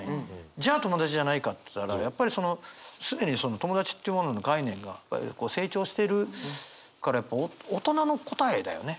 じゃあ友達じゃないかっていったらやっぱりその既にその友達っていうものの概念が成長してるから大人の答えだよね。